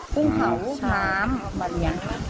ปุ้งเผาน้ำมะเรียน